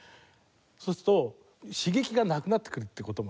そうすると刺激がなくなってくるって事もあるよな。